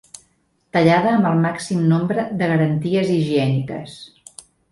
Tallada amb el màxim nombre de garanties higièniques.